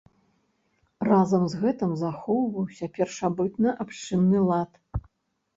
Разам з гэтым, захоўваўся першабытна-абшчынны лад.